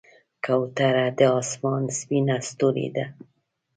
کوتره د آسمان سپینه ستورۍ ده.